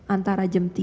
antara jam tiga